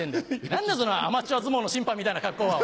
何だそのアマチュア相撲の審判みたいな格好は。